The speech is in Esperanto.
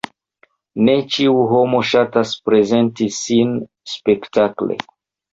Ne ĉiu homo ŝatas prezenti sin spektakle.